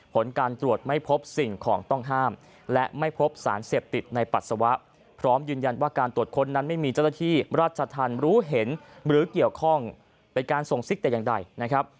ผลการตรวจไม่พบสิ่งของต้องห้ามและไม่พบสารเสพติดในปัสสาวะพร้อมยืนยันว่าการตรวจค้นนั้นไม่มีเจ้าหน้าที่ราชธรรมรู้เห็นหรือเกี่ยวข้องเป็นการส่งซิกแต่อย่างใดนะครับ